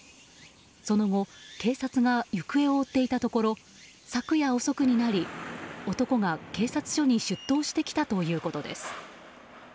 その後、警察が行方を追っていたところ昨夜遅くになり、男が警察署に出頭してきたということです。